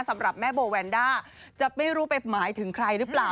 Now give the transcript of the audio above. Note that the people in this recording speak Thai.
สำหรับแม่โบแวนด้าจะไม่รู้ไปหมายถึงใครหรือเปล่า